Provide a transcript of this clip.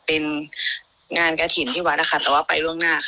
เป็นงานกระถิ่นที่วัดนะคะแต่ว่าไปล่วงหน้าค่ะ